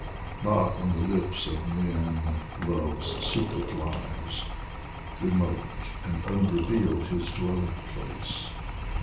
Not on the lips of men Love's secret lies, Remote and unrevealed his dwelling place.